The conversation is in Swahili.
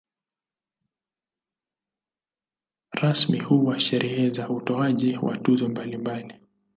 Rasmi huwa sherehe za utoaji wa tuzo mbalimbali.